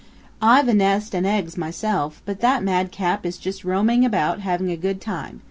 I've a nest and eggs myself, but that madcap is just roaming about having a good time.